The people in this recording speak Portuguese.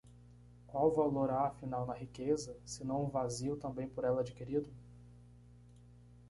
qual valor há afinal na riqueza, se não o vazio também por ela adquirido?